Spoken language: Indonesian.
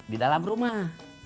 di dalam rumah